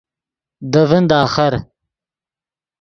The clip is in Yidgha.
دے ڤین دے آخر